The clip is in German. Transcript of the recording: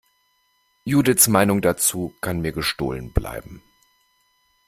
Judiths Meinung dazu kann mir gestohlen bleiben!